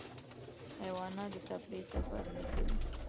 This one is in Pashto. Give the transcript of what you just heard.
حیوانات د تفریح سفر نه کوي.